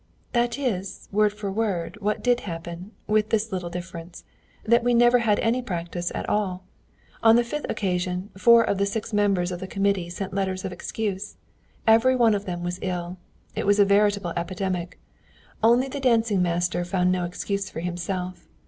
"That is, word for word, what did happen, with this little difference, that we never had any practice at all. On the fifth occasion, four of the six members of the committee sent letters of excuse. Every one of them was ill. It was a veritable epidemic. Only the dancing master found no excuse for himself.